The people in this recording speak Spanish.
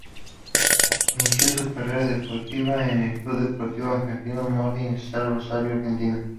Inicio su carrera deportiva en el Club Deportivo Argentino Morning Star de Rosario, Argentina.